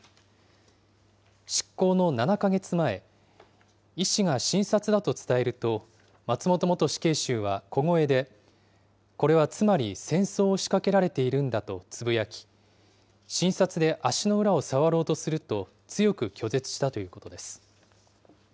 執行の７か月前、医師が診察だと伝えると、松本元死刑囚は小声で、これはつまり戦争を仕掛けられているんだとつぶやき、診察で足の裏を触ろうとすると強く拒絶したということです。